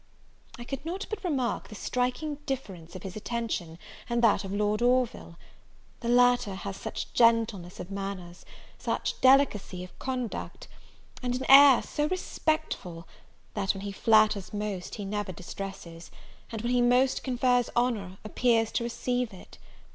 I could not but remark the striking difference of his attention, and that of Lord Orville: the latter has such gentleness of manners, such delicacy of conduct, and an air so respectful, that, when he flatters most, he never distresses; and when he most confers honour, appears to receive it!